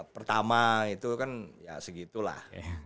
pertama itu kan ya segitu lah